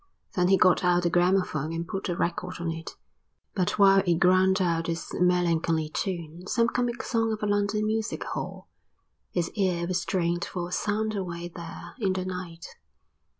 Then he got out the gramophone and put a record on it, but while it ground out its melancholy tune, some comic song of a London music hall, his ear was strained for a sound away there in the night.